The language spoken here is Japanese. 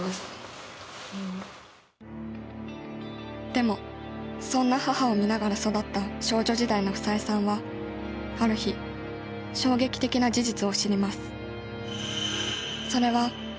でもそんな母を見ながら育った少女時代の房枝さんはある日衝撃的な事実を知ります。